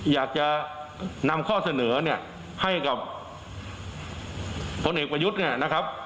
อยากจะนำข้อเสนอเนี่ยให้กับพลเอกประยุทธ์เนี่ยนะครับ